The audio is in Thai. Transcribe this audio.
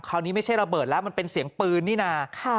ไม่ใช่ระเบิดแล้วมันเป็นเสียงปืนนี่นะ